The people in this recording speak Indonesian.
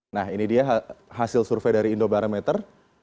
nah ini dia hasil survei dari indobarometer